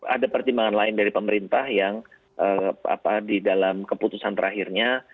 ada pertimbangan lain dari pemerintah yang di dalam keputusan terakhirnya